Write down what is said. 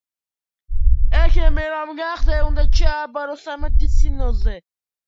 ექიმი რომ გახდე უნდა ჩააბარო სამედიცინოზე.